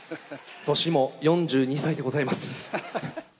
年も４２歳でございます。